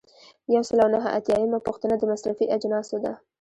یو سل او نهه اتیایمه پوښتنه د مصرفي اجناسو ده.